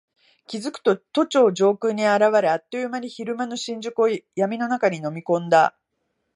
気付くと都庁上空に現れ、あっという間に昼間の新宿を闇の中に飲み込んだ。